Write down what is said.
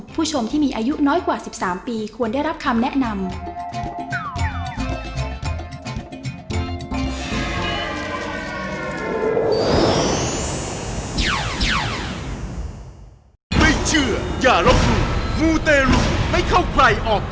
ผู้ชมที่มีอายุน้อยกว่า๑๓ปีควรได้รับคำแนะนำ